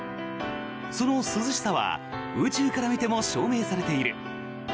その涼しさは宇宙から見ても証明されている。